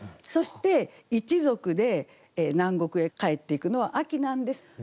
そして一族で南国へ帰っていくのは秋なんです。